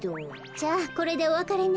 じゃあこれでおわかれね。